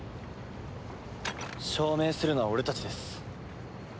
証明するのは俺たちです。